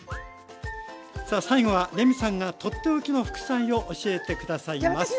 さあ最後はレミさんがとっておきの副菜を教えて下さいます。